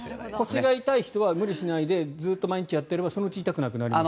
腰が痛い人は無理しないでずっと毎日やっていればそのうち痛くなくなります？